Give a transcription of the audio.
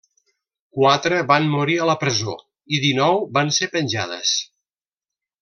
Quatre van morir a la presó i dinou van ser penjades.